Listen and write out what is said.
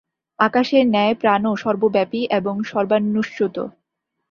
আকাশের ন্যায় প্রাণও সর্বব্যাপী এবং সর্বানুস্যূত।